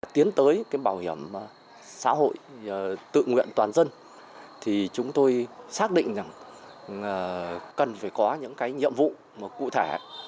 tiến tới bảo hiểm xã hội tự nguyện toàn dân chúng tôi xác định cần phải có những nhiệm vụ cụ thể